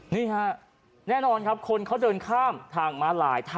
นี่ฮะแน่นอนครับคนเขาเดินข้ามทางมาหลายทาง